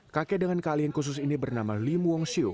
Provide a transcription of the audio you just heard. kakek dengan keahlian khusus ini bernama lim wong shu